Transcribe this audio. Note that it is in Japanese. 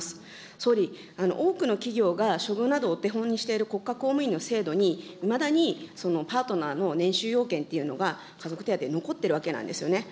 総理、多くの企業が処遇などをお手本にしている国家公務員の制度にいまだにパートナーの年収要件というのが、家族手当、残っているわけなんですよね。